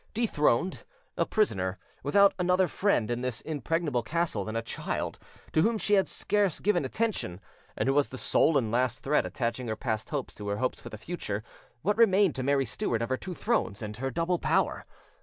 Dethroned, a prisoner, without another fiend in this impregnable castle than a child to whom she had scarce given attention, and who was the sole and last thread attaching her past hopes to her hopes for the future, what remained to Mary Stuart of her two thrones and her double power?